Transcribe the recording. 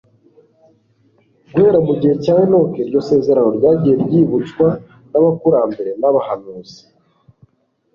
Guhera mu gihe cya Enoki iryo sezerano ryagiye ryibutswa n'abakurambere n'abahanuzi,